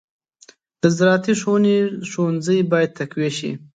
د زراعتي ښوونې ښوونځي باید تقویه شي.